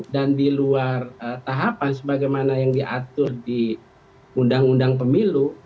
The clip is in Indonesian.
dan diluar tahapan sebagaimana yang diatur di undang undang pemilu